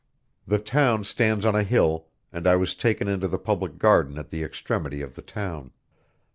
The town stands on a hill, and I was taken into the public garden at the extremity of the town.